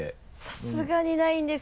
さすがにないんですけど。